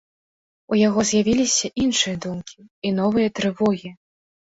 У яго з'явіліся іншыя думкі і новыя трывогі.